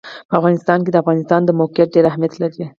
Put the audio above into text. په افغانستان کې د افغانستان د موقعیت ډېر اهمیت لري.